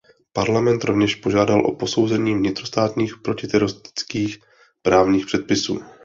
Parlament rovněž požádal o posouzení vnitrostátních protiteroristických právních předpisů.